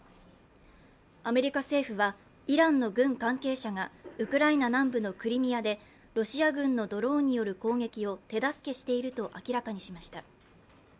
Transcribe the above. アメリカ政府はイランの軍関係者が、ウクライナ南部のクリミアでロシア軍のドローンによる攻撃を手助けしていると明らかにしました。